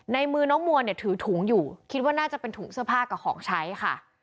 ในมือน้องมัวเนี่ยถือถุงอยู่คิดว่าน่าจะเป็นถุงเสื้อผ้ากับของใช้ค่ะ